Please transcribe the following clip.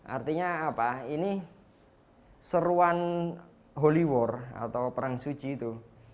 artinya apa ini seruan hollywor atau perang suci itu